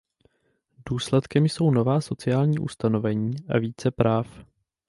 Důsledkem jsou nová sociální ustanovení a více práv.